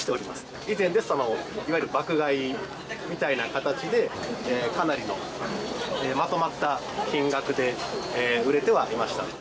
以前ですと、いわゆるその爆買いみたいな形で、かなりのまとまった金額で売れてはいました。